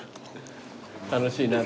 楽しいな。